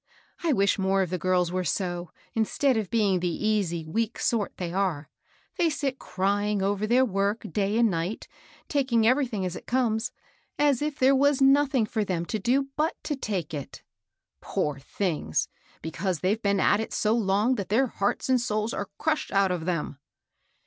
I wish more of the girls were so, instead of being the easy, weak sort they are. They sit cry ing over their work, day and night, taking every DIED AT HER POST ! 153 thing as it comes, as if there was nothing for them to do bvi to take it." ^' Poor things I Because they've been at it so long that their hearts and souls are crushed out of them."